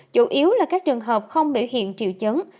chủ yếu là các trường hợp không biểu hiện triệu chứng